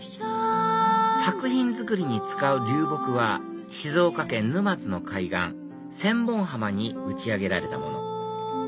作品作りに使う流木は静岡県沼津の海岸千本浜に打ち上げられたもの